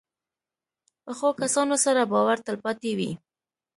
پخو کسانو سره باور تل پاتې وي